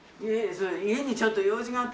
家にちょっと用事があって。